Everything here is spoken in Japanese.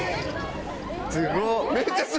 すごっ！